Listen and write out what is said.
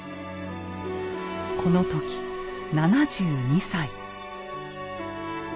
この時７２歳。